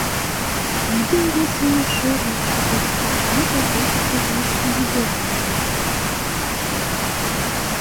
Тудым вес еҥ шӧрмычшӧ гыч куча да пече коклашке вӱден наҥгая.